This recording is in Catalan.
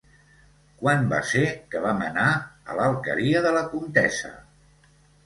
Quan va ser que vam anar a l'Alqueria de la Comtessa?